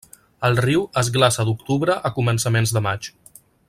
El riu es glaça d'octubre a començaments de maig.